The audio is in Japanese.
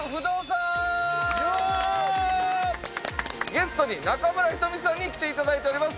ゲストに中村仁美さんに来ていただいております